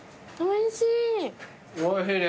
おいしいね。